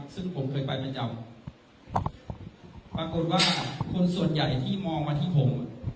ซึ่งผมเคยไปประจำปรากฏว่าคนส่วนใหญ่ที่มองมาที่ผม